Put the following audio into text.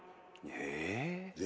え？